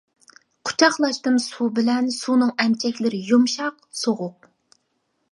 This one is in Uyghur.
قۇچاقلاشتىم سۇ بىلەن سۇنىڭ ئەمچەكلىرى يۇمشاق، سوغۇق.